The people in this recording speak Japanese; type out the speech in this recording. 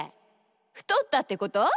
ふとったってこと？